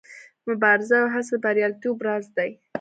مبارزه او هڅه د بریالیتوب راز دی.